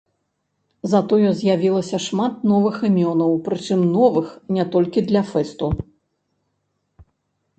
Затое з'явілася шмат новых імёнаў, прычым новых не толькі для фэсту.